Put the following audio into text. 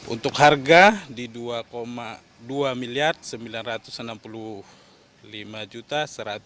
untuk harga di rp dua dua miliar rp sembilan ratus enam puluh lima satu ratus tujuh puluh juta